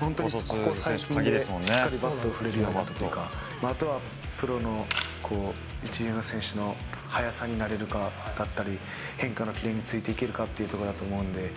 本当にここ最近で、しっかりバットを振れるようになったっていうか、あとはプロの一流の選手の速さに慣れるかだったり、変化のキレについていけるかっていうところだと思うので。